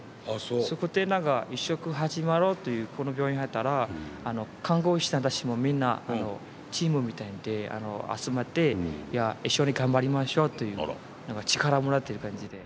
そこで移殖、始まろうってこの病院入ったら看護師さんたちもみんなチームみたいで集まって一緒に頑張りましょうって力もらってる感じで。